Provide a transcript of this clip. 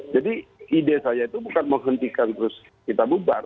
jadi ide saya itu bukan menghentikan terus kita bubar